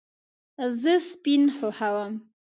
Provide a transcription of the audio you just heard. زه سپین خوښوم